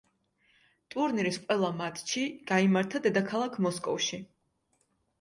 ტურნირის ყველა მატჩი გაიმართა დედაქალაქ მოსკოვში.